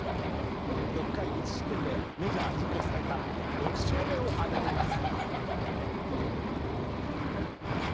６回１失点でメジャー自己最多６勝目を挙げています。